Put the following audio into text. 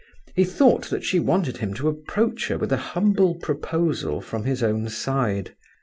He thought that she wanted him to approach her with a humble proposal from his own side.